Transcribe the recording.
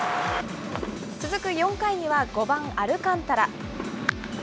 続く４回には５番アルカンタラ。